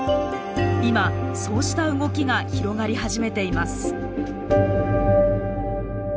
今そうした動きが広がり始めています。